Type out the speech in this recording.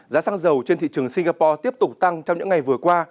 giá xăng dầu trên thị trường singapore tiếp tục tăng trong những ngày vừa qua